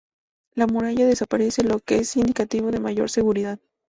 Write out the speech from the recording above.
La muralla desaparece, lo que es indicativo de mayor seguridad.